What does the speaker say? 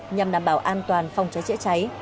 nhằm đảm bảo an toàn phòng cháy chữa cháy